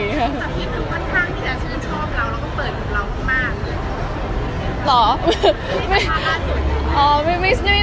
ติดทุกวันข้างที่จะชื่นชอบเราแล้วก็เปิดกลุ่มเรามาก